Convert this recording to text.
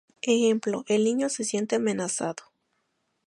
Ejemplo: el niño se siente amenazado.